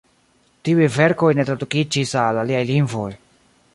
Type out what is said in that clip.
Tiuj verkoj ne tradukiĝis al aliaj lingvoj.